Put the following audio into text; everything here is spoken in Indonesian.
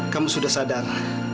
kamu sudah sadar